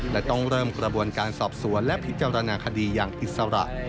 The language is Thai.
และต้องเริ่มกระบวนการสอบสวนและพิจารณาคดีอย่างอิสระ